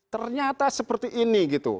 ternyata seperti ini gitu